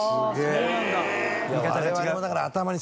そうなんだ。